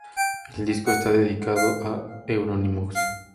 El disco está dedicado a Euronymous.